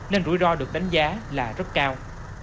nên rủi ro được đánh giá là rất cao